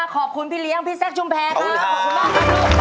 ขอบคุณพี่เลี้ยงพี่แซกจุ๋มแพนครับขอบคุณมากแล้วลูกไม้ขอบคุณค่ะ